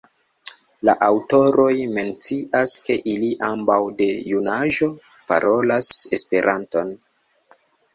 La aŭtoroj mencias, ke ili ambaŭ de junaĝo parolas Esperanton.